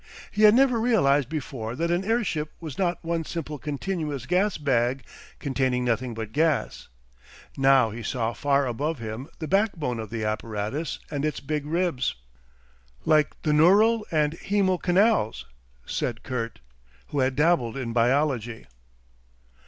He had never realised before that an airship was not one simple continuous gas bag containing nothing but gas. Now he saw far above him the backbone of the apparatus and its big ribs, "like the neural and haemal canals," said Kurt, who had dabbled in biology.